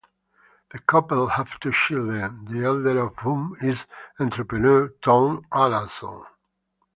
The couple have two children, the elder of whom is entrepreneur Tom Allason.